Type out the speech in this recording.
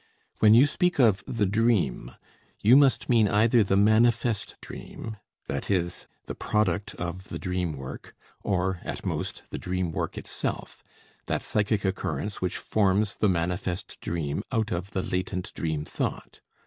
When you speak of the dream you must mean either the manifest dream, i.e., the product of the dream work, or at most the dream work itself that psychic occurrence which forms the manifest dream out of the latent dream thought.